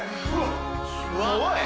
すごい。